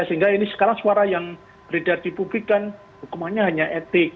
sehingga ini sekarang suara yang beredar di publik kan hukumannya hanya etik